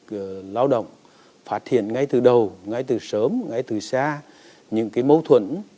người lao động phát hiện ngay từ đầu ngay từ sớm ngay từ xa những mâu thuẫn